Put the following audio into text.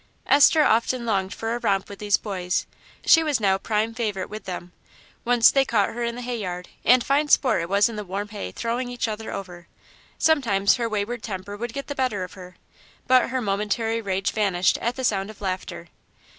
Esther often longed for a romp with these boys; she was now prime favourite with them. Once they caught her in the hay yard, and fine sport it was in the warm hay throwing each other over. Sometimes her wayward temper would get the better of her, but her momentary rage vanished at the sound of laughter.